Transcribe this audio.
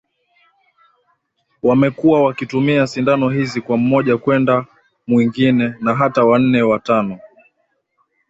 wamekuwa wakitumia sindano hizi kwa mmoja kwenda mwingine na hata wanne wa tano